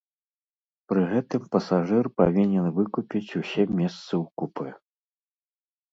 Пры гэтым пасажыр павінен выкупіць усе месцы ў купэ.